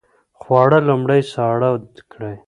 خواړه لومړی ساړه کړئ.